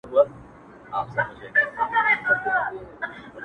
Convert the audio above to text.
• تاسي یې وګوری مېلمه دی که شیطان راغلی,